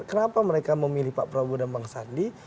kenapa mereka memilih pak prabowo dan bang sandi